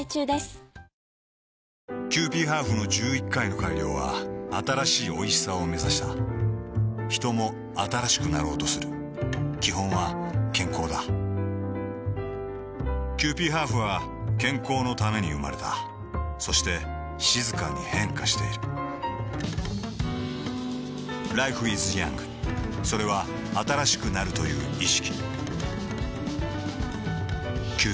キユーピーハーフの１１回の改良は新しいおいしさをめざしたヒトも新しくなろうとする基本は健康だキユーピーハーフは健康のために生まれたそして静かに変化しているＬｉｆｅｉｓｙｏｕｎｇ．それは新しくなるという意識